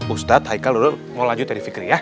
ustadz haikal dodot mau lanjutin fikri ya